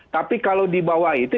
tapi kalau di bawah itu